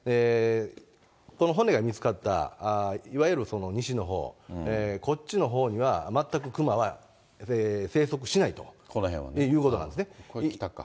この骨が見つかったいわゆる西のほう、こっちのほうには全く熊は生息しないということなんですね。